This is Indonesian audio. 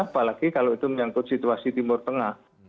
apalagi kalau itu menyangkut situasi timur tengah